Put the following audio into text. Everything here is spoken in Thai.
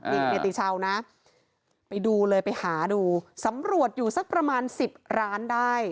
นี่เนติชาวนะไปดูเลยไปหาดูสำรวจอยู่สักประมาณ๑๐ร้านได้